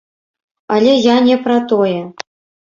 Але я не пра тое.